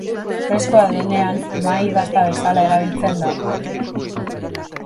Freskoa denean mahai gazta bezala erabiltzen da.